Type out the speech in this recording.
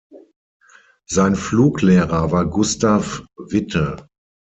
Sein Fluglehrer war Gustav Witte.